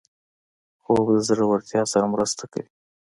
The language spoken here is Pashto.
خوب د زړورتیا سره مرسته کوي